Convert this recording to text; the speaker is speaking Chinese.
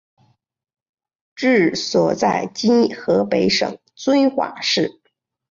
治所在今河北省遵化市。